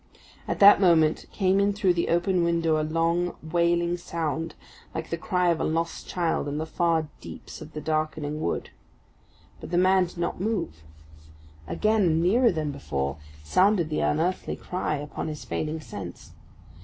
At that moment came in through the open window a long, wailing sound like the cry of a lost child in the far deeps of the darkening wood! But the man did not move. Again, and nearer than before, sounded that unearthly cry upon his failing sense.